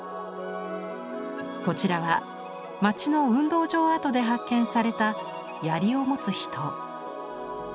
こちらは街の運動場跡で発見された「槍を持つ人」。